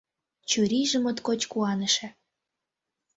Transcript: Чурийже моткоч куаныше.